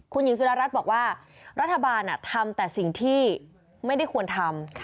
คุณหญิงสุดารัฐบอกว่ารัฐบาลทำแต่สิ่งที่ไม่ได้ควรทำ